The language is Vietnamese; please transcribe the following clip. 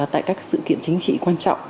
tại các sự kiện chính trị quan trọng